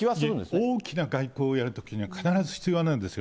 大きな外交をやるときには必ず必要なんですよ。